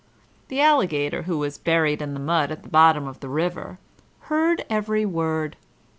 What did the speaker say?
The Alligator, who was buried in the mud at the bottom of the river, heard every word.